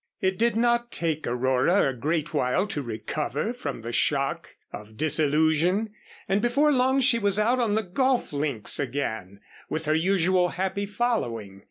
It did not take Aurora a great while to recover from the shock of disillusion and before long she was out on the golf links again, with her usual happy following.